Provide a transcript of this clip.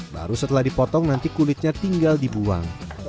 baru setelah dipotong nanti kulitnya tinggal dibuang